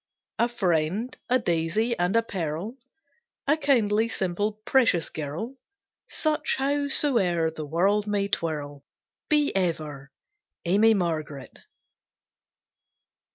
A friend, a daisy, and a pearl; A kindly, simple, precious girl, Such, howsoe'er the world may twirl, Be ever, Amy Margaret!